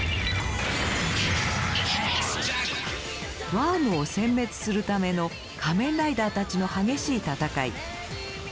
ワームをせん滅するための仮面ライダーたちの激しい戦い。